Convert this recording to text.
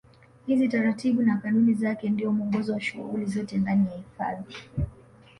Hizi taratibu na kanuni zake ndio mwongozo wa shughuli zote ndani ya hifadhi